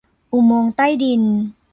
อุโมงค์ใต้ดิน